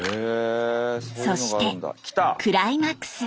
そしてクライマックス。